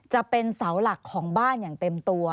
หลักของบ้านอย่างเต็มตัว